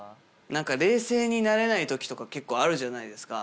なんか、冷静になれないときとか、結構あるじゃないですか。